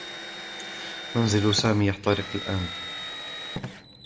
منزل سامي يحترق الآن.